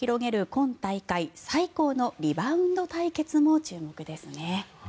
今大会最高のリバウンド対決も注目ですね。